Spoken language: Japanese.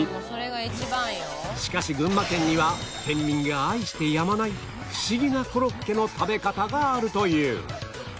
しかし群馬県には県民が愛してやまないフシギなコロッケの食べ方があるという